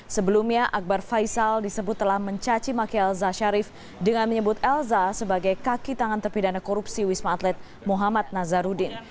sebelumnya akbar faisal disebut telah mencaci maki elza sharif dengan menyebut elza sebagai kaki tangan terpidana korupsi wisma atlet muhammad nazarudin